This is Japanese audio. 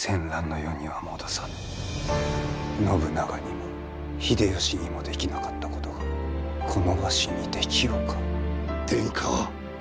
信長にも秀吉にもできなかったことがこのわしにできようか？